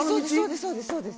そうですそうです！